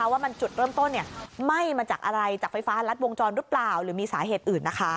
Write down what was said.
ว่ามันจุดเริ่มต้นไหม้มาจากอะไรจากไฟฟ้ารัดวงจรหรือเปล่าหรือมีสาเหตุอื่นนะคะ